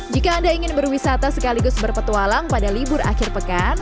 jika anda ingin berwisata sekaligus berpetualang pada libur akhir pekan